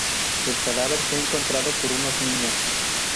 El cadáver fue encontrado por unos niños.